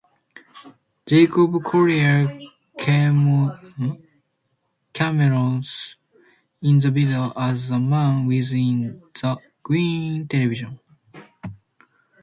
Jacob Collier cameos in the video as the man within the green television.